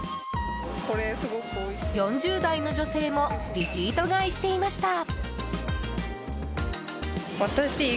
４０代の女性もリピート買いしていました。